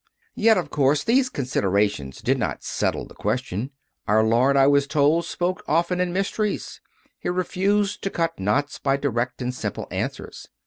Yet, of course, these considerations did not settle the question. Our Lord, I was told, spoke often in mysteries; He refused to cut knots by direct and simple answers.